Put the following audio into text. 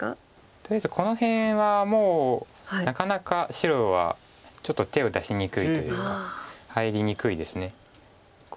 とりあえずこの辺はもうなかなか白はちょっと手を出しにくいというか入りにくいです。